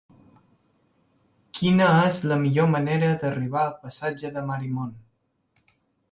Quina és la millor manera d'arribar al passatge de Marimon?